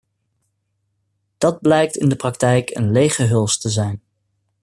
Dat blijkt in de praktijk een lege huls te zijn.